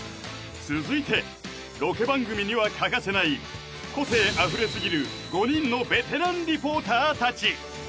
続いてロケ番組には欠かせない個性あふれすぎる５人のベテランリポーターたち